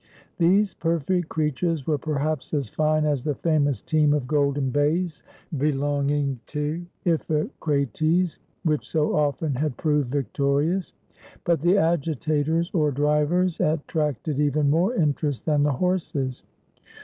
These per fect creatures were perhaps as fine as the famous team of golden bays belonging to Iphicrates, which so often had proved victorious; but the agitatores, or drivers, at tracted even more interest than the horses.